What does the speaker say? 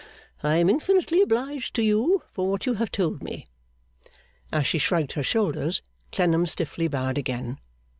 I am infinitely obliged to you for what you have told me.' As she shrugged her shoulders, Clennam stiffly bowed again.